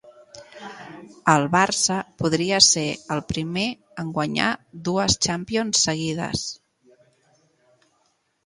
El Barça podria ser el primer en guanyar dues Champions seguides.